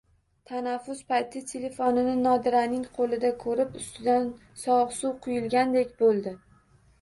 Tanaffus payti telefonini Nodiraning qo`lida ko`rib, ustidan sovuq suv quyilgandek bo`ldi